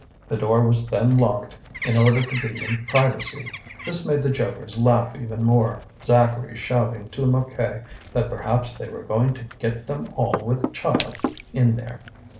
The door was then locked, in order to be in privacy. This made the jokers laugh even more, Zacharie shouting to Mouquet that perhaps they were going to get them all with child in there.